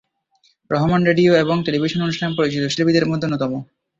Rahman radio এবং television অনুষ্ঠানের পরিচিত শিল্পীদের মধ্যে অন্যতম।